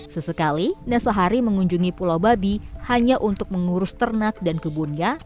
sesekali nasahari mengunjungi pulau babi hanya untuk mengurus ternak dan kebunnya